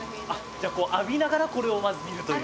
じゃあこう浴びながらこれをまず見るという。